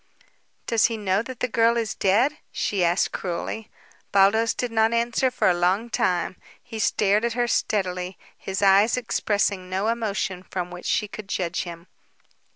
"Does he know that the girl is dead?" she asked cruelly. Baldos did not answer for a long time. He stared at her steadily, his eyes expressing no emotion from which she could judge him.